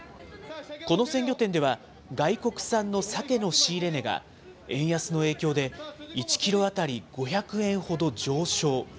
この鮮魚店では、外国産のサケの仕入れ値が円安の影響で１キロ当たり５００円ほど上昇。